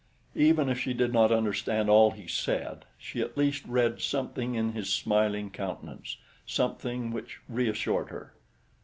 Even if she did not understand all he said, she at least read something in his smiling countenance something which reassured her.